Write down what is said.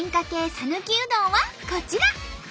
さぬきうどんはこちら。